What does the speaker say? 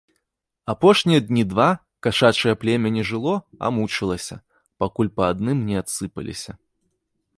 Апошнія дні два кашачае племя не жыло, а мучылася, пакуль па адным не адсыпаліся.